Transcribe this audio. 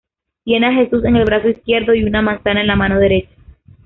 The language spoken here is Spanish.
Tiene a Jesús en el brazo izquierdo y una manzana en la mano derecha.